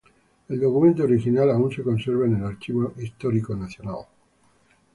El documento original aún se conserva en el Archivo Histórico Nacional.